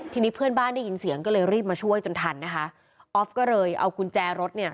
ทีนี้เพื่อนบ้านได้ยินเสียงก็เลยรีบมาช่วยจนทันนะคะออฟก็เลยเอากุญแจรถเนี่ย